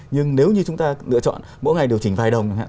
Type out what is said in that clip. nhưng nếu như chúng ta lựa chọn mỗi ngày điều chỉnh vài đồng